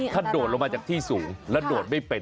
ถ้าโดดลงมาจากที่สูงแล้วโดดไม่เป็น